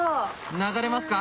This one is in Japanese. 流れますか？